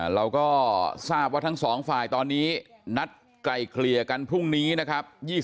เราก็ทราบว่าทั้งสองฝ่ายตอนนี้นัดไกลเกลี่ยกันพรุ่งนี้นะครับ